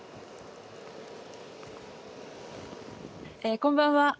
こんばんは。